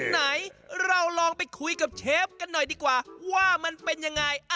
ไหนเราลองไปคุยกับเชฟกันหน่อยดีกว่าว่ามันเป็นยังไง